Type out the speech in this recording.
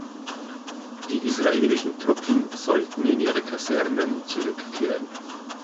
Die israelischen Truppen sollten in ihre Kasernen zurückkehren.